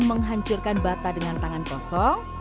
menghancurkan bata dengan tangan kosong